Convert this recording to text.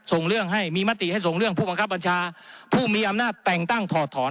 ส่งเรื่องให้มีมติให้ส่งเรื่องผู้บังคับบัญชาผู้มีอำนาจแต่งตั้งถอดถอน